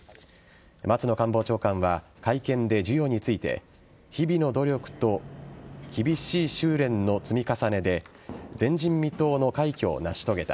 松野官房長官は会見で授与について日々の努力と厳しい修練の積み重ねで前人未到の快挙を成し遂げた。